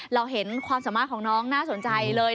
เราเห็นความสามารถของน้องน่าสนใจเลย